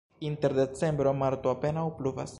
Inter decembro-marto apenaŭ pluvas.